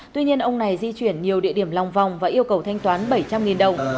tuy nhiên ông này di chuyển nhiều địa điểm lòng vòng và yêu cầu thanh toán bảy trăm linh đồng